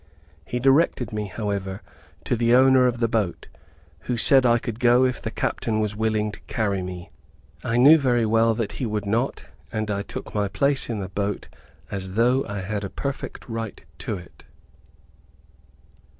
He directed me, however, to the owner of the boat, who said I could go if the captain was willing to carry me. I knew very well that he would not, and I took my place in the boat as though I had a perfect right to it.